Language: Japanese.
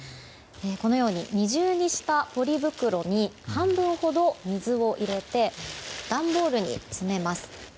このように、二重にしたポリ袋に半分ほど水を入れて段ボールに詰めます。